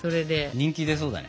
人気出そうだね。